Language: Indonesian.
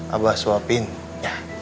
abah suapin ya